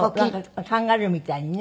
カンガルーみたいにね。